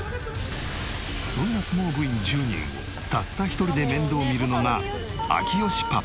そんな相撲部員１０人をたった一人で面倒見るのが明慶パパ。